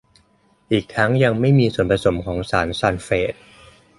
อีกทั้งยังไม่มีส่วนผสมของสารซัลเฟต